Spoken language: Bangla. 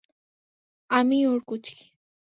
আমিই ওর কুঁচকি!